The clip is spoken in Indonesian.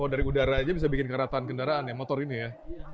oh dari udara saja bisa bikin karatan kendaraan ya motor ini ya